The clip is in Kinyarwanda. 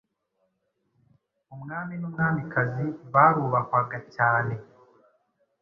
Umwami n’umwamikazi barubahwaga cyane.